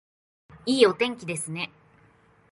いいお天気ですね